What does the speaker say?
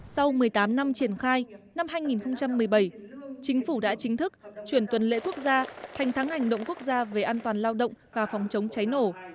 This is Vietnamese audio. sau một mươi tám năm triển khai năm hai nghìn một mươi bảy chính phủ đã chính thức chuyển tuần lễ quốc gia thành tháng hành động quốc gia về an toàn lao động và phòng chống cháy nổ